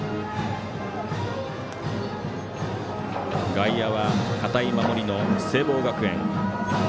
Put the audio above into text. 外野は堅い守りの聖望学園。